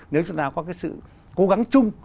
nếu chúng ta có cái sự cố gắng chung